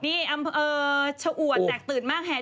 นี่อำเภอชะอวดแตกตื่นมากแห่